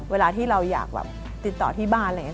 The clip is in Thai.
เวลาที่เราอยากติดต่อที่บ้าน